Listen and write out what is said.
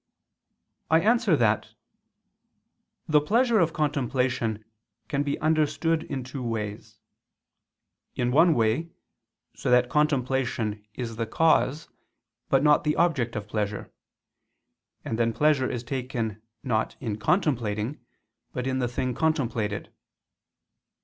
I answer that, The pleasure of contemplation can be understood in two ways. In one way, so that contemplation is the cause, but not the object of pleasure: and then pleasure is taken not in contemplating but in the thing contemplated.